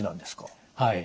はい。